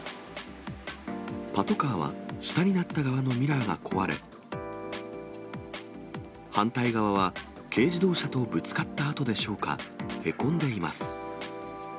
パトカーは、下になった側のミラーが壊れ、反対側は、軽自動車とぶつかった跡でしょうか、へこんでいます。